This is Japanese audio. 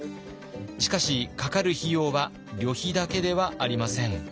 しかしかかる費用は旅費だけではありません。